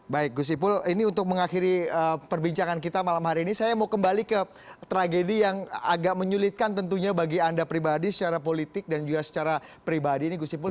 baik gus ipul ini untuk mengakhiri perbincangan kita malam hari ini saya mau kembali ke tragedi yang agak menyulitkan tentunya bagi anda pribadi secara politik dan juga secara pribadi ini gus ipul